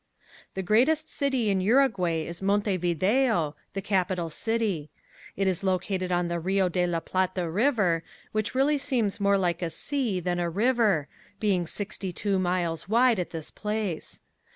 The greatest city in Uruguay is Montevideo, the capital city. It is located on the Rio de la Plata river, which really seems more like a sea than a river, being sixty two miles wide at this place.